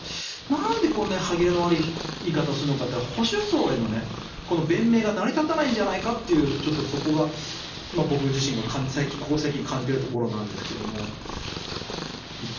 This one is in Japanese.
なんでこんなに歯切れの悪い言い方をするのかって言ったら保守層へのこの弁明が成り立たないんじゃないかというちょっとそこが僕自身が最近感じているところですが。